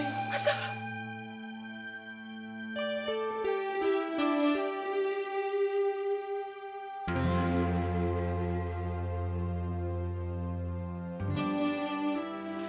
kemudian kami sampai kembali